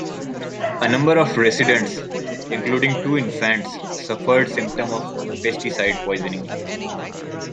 A number of residents, including two infants, suffered symptoms of pesticide poisoning.